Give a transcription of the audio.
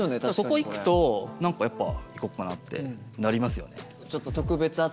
ここ行くと何かやっぱ行こうかなってなりますよね。